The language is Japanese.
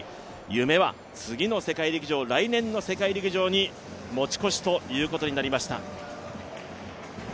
夢は次の世界陸上来年の世界陸上に持ち越しということになりました。